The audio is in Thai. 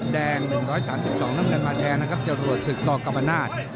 แดง๑๓๒น้ำเงินมาแทนนะครับจรวดศึกต่อกรรมนาศ